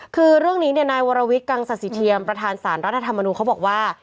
คือเรื่องนี้เนี่ยนายวรวิทย์กังศาสิเทียมประธานสารรัฐธรรมนุนเขาบอกว่า